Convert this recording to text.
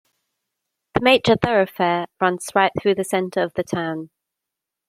The major thoroughfare runs right through the center of the town.